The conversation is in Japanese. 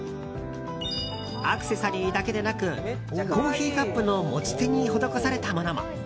アクセサリーだけでなくコーヒーカップの持ち手に施されたものも。